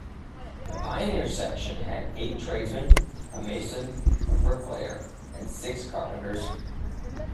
The Pioneer Section had eight tradesmen, a mason, a bricklayer and six carpenters.